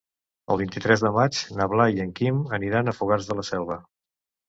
El vint-i-tres de maig en Blai i en Quim aniran a Fogars de la Selva.